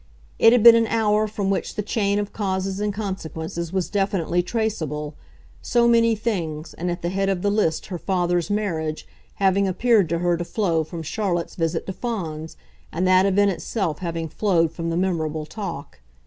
It had been an hour from which the chain of causes and consequences was definitely traceable so many things, and at the head of the list her father's marriage, having appeared to her to flow from Charlotte's visit to Fawns, and that event itself having flowed from the memorable talk.